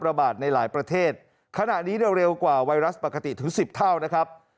ระบาดในหลายประเทศขณะนี้เนี่ยเร็วกว่าไวรัสปกติถึงสิบเท่านะครับ